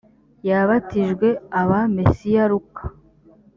yabatijwe aba mesiya luka